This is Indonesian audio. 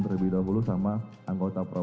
terlebih dahulu sama anggota